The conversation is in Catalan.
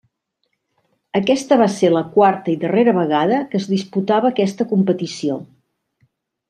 Aquesta va ser la quarta i darrera vegada que es disputava aquesta competició.